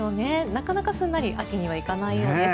なかなかすんなり秋には行かないようです。